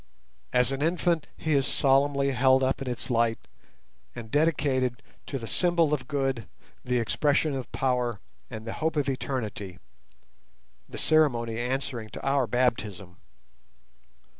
As an infant he is solemnly held up in its light and dedicated to "the symbol of good, the expression of power, and the hope of Eternity", the ceremony answering to our baptism.